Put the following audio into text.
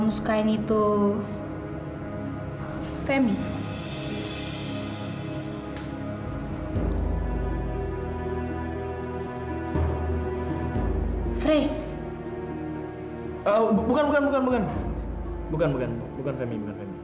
bukan bukan femi